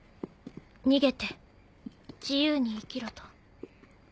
逃げて自由に生きろと。